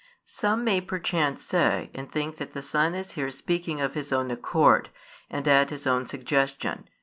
Some may perchance say and think that the Son is here speaking of His own accord, and at His own suggestion.